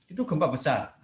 itu gempa besar